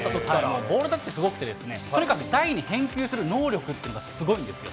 ボールタッチがすごくて、とにかく台に返球する能力っていうのがすごいんですよ。